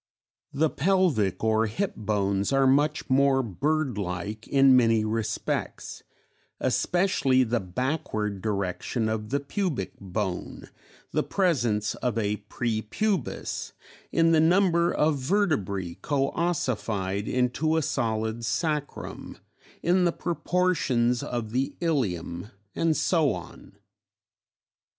The pelvic or hip bones are much more bird like in many respects, especially the backward direction of the pubic bone, the presence of a prepubis, in the number of vertebrae coössified into a solid sacrum, in the proportions of the ilium and so on.